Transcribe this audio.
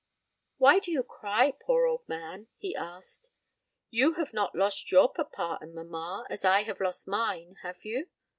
"Why do you cry, poor old man?" he asked. "You have not lost your papa and mamma, as I have lost mine, have you?